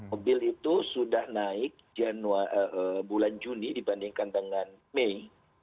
mobil itu sudah naik bulan juni dibandingkan dengan mei